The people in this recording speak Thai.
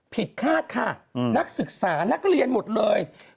คาดค่ะนักศึกษานักเรียนหมดเลย